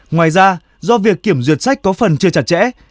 ngoài ra do việc kiểm duyệt sách có phần chưa chặt chẽ